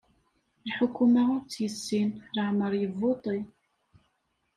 Lḥukuma ur tt-yessin, laɛmer yebbuṭi.